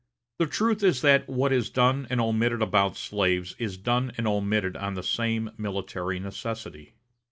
The truth is that what is done and omitted about slaves is done and omitted on the same military necessity.